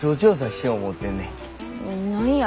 何や？